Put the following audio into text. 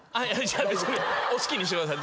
別に好きにしてください。